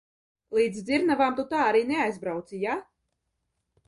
Līdz dzirnavām tu tā arī neaizbrauci, ja?